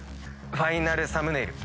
ファイナルサムネイル。